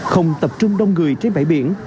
không tập trung đông người trên bãi biển